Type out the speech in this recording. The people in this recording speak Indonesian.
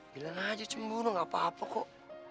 bilang aja cemburu gak apa apa kok